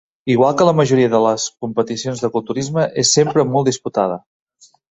Igual que la majoria de les competicions de culturisme, és sempre molt disputada.